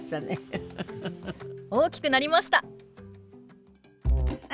大きくなりましたね。